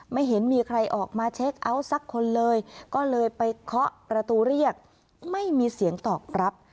ไม่เห็นมีใครออกมาเช็คเอาท์สักคนเลยก็เลยไปเคาะประตูเรียกไม่มีเสียงตอบรับ